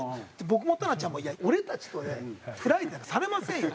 僕もたなちゃんも「いや俺たちとでフライデーなんかされませんよ。